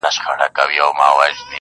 چي یوازي یې ایستله کفنونه-